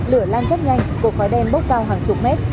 lửa lan rất nhanh cột khói đen bốc cao hàng chục mét